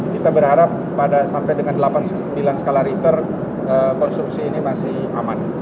kita berharap pada sampai dengan delapan puluh sembilan skala riter konstruksi ini masih aman